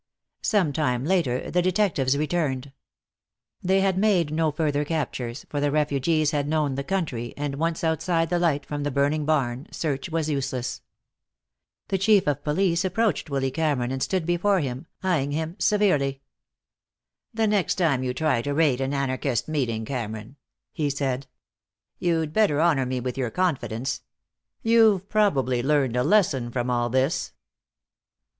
Some time later the detectives returned. They had made no further captures, for the refugees had known the country, and once outside the light from the burning barn search was useless. The Chief of Police approached Willy Cameron and stood before him, eyeing him severely. "The next time you try to raid an anarchist meeting, Cameron," he said, "you'd better honor me with your confidence. You've probably learned a lesson from all this."